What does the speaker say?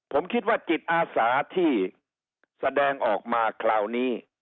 ผมคิดว่าจิตอาสาที่แสดงออกมาคราวนี้